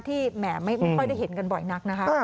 แหมไม่ค่อยได้เห็นกันบ่อยนักนะคะ